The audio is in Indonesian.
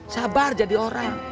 sabar jadi orang